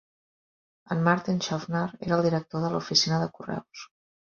En Martin Shofner era el director de l'oficina de correus.